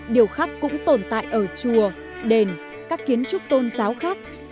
điêu khắc cũng tồn tại ở chùa đền các kiến trúc tôn giáo khác